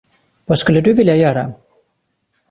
Vad skulle du vilja göra?